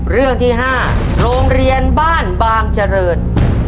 เรื่องที่๕โรงเรียนบ้านบางเจริญ